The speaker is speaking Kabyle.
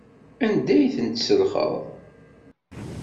Anda ay ten-tselxeḍ?